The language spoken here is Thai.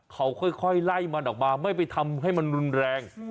เขาค่อยไล่มันออกมาไม่ไปทำให้มันรุนแรง